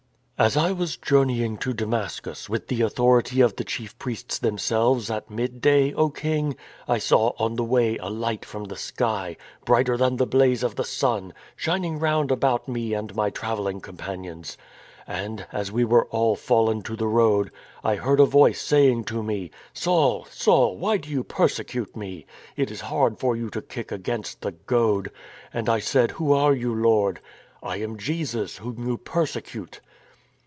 " As I was journeying to Damascus with the author ity of the chief priests themselves at midday, O King, I saw on the way a light from the sky, brighter than the blaze of the sun, shining round about me and my THE KING AND THE MAN 315 travelling companions. And, as we were all fallen on to the road, I heard a voice saying to me :"' Saul, Saul, why do you persecute Me ? It is hard for you to kick against the goad.' " And I said, ' Who are you. Lord? '"" *I am Jesus, whom you persecute.'